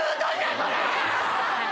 それ！！